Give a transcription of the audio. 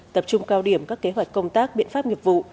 tập trung cao điểm các kế hoạch công tác biện pháp nghiệp vụ